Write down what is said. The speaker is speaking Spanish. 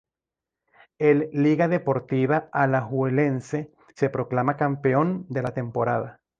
El Liga Deportiva Alajuelense se proclama campeón de la temporada.